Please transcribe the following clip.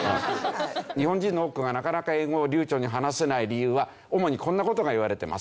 日本人の多くがなかなか英語を流暢に話せない理由は主にこんな事が言われてます。